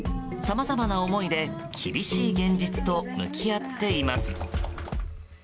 さまざまな思いで厳しい現実と向き合っています。